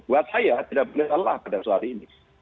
buat saya tidak boleh lelah pada suatu hari ini